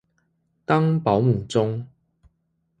當保母中